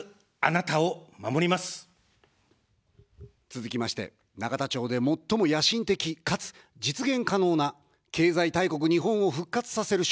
続きまして、永田町で最も野心的かつ実現可能な経済大国日本を復活させる処方箋を作った人。